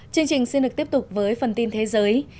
chương trình xin được tiếp tục với phần tin thế giới